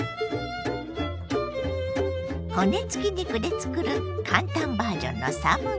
骨付き肉でつくる簡単バージョンのサムゲタン。